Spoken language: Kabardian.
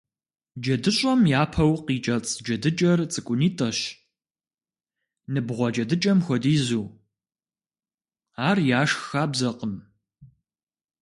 ДжэдыщӀэм япэу къикӀэцӀ джэдыкӀэр цӀыкӀунитӀэщ, ныбгъуэ джэдыкӀэм хуэдизу, ар яшх хабзэкъым.